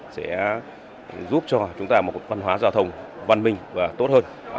sẽ giúp cho chúng ta một văn hóa giao thông văn minh và tốt hơn